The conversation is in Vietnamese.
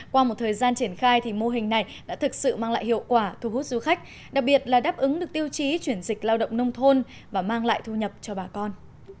qua một thời gian triển khai thì mô hình này đã thực sự mang lại hiệu quả thu hút du khách đặc biệt là đáp ứng được tiêu chí chuyển dịch lao động nông thôn và mang lại thu nhập cho bà con